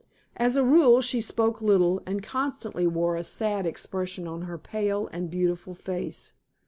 As a rule, she spoke little, and constantly wore a sad expression on her pale and beautiful face.